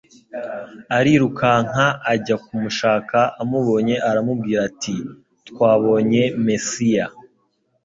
arirukanka ajya kumushaka. Amubonye aramubwira ati : «Twabonye Mesiya».